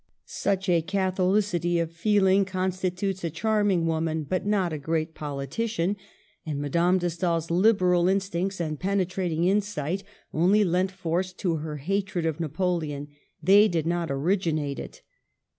Such a catho licity of feeling constitutes a charming woman, but not a great politician ; and Madame de Stael' s liberal instincts and penetrating insight only lent force to her hatred of Napoleon, they did not orig inate it.